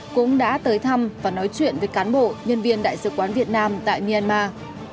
cũng đã tới thăm và nói chuyện với cán bộ nhân viên đại sứ quán việt nam tại myanmar